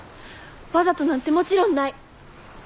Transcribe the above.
わざとなんてもちろんない！